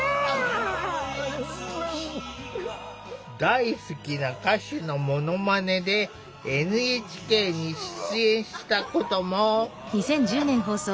大好きな歌手のものまねでＮＨＫに出演したことも！